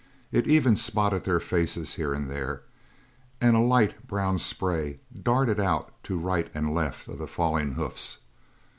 It even spotted their faces here and there, and a light brown spray darted out to right and left of the falling hoofs.